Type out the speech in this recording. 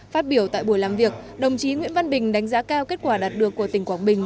phát biểu tại buổi làm việc đồng chí nguyễn văn bình đánh giá cao kết quả đạt được của tỉnh quảng bình